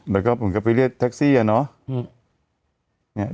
แล้วก็ผมก็ไปเรียกแท็กซี่อะเนาะ